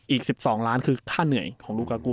อีก๑๒ล้านคือค่าเหนื่อยของลูกากู